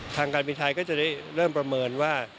ทางการบินไทยก็จะได้เริ่มประเมินว่า